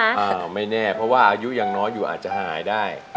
ไม่แน่เพราะว่าอายุยังน้อยอยู่อาจจะหายได้